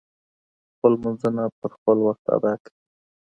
خپل لمونځونه په خپل وخت ادا کړئ.